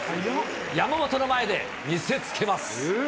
山本の前で見せつけます。